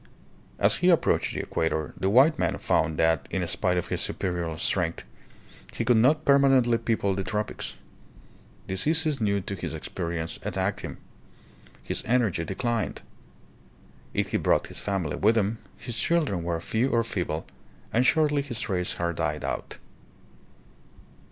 As he approached the equator the white man found that, in spite of his superior strength, he could not THE GREAT GEOGRAPHICAL DISCOVERIES. 65 permanently people the tropics. Diseases new to his experience attacked him. His energy declined. If he brought his family with him, his children were few or feeble and shortly his race had died out.